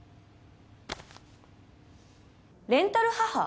レンタル母？